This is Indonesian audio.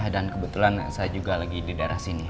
dan kebetulan saya juga lagi di daerah sini